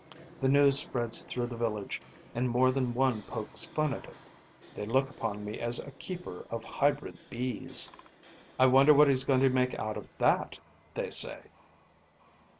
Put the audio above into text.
The news spreads through the village and more than one pokes fun at it. They look upon me as a keeper of hybrid Bees: 'I wonder what he's going to make out of that!' say they.